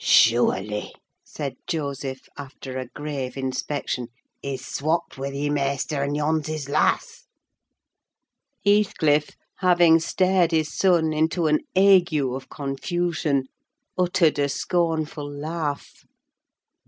"Sure ly," said Joseph after a grave inspection, "he's swopped wi' ye, Maister, an' yon's his lass!" Heathcliff, having stared his son into an ague of confusion, uttered a scornful laugh.